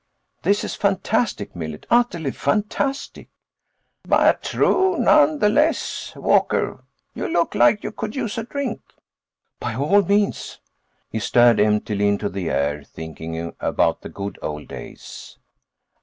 "This is fantastic, Millet, utterly fantastic." "But true nonetheless. Walker, you look like you could use a drink." "By all means." He stared emptily into the air, thinking about the good old days.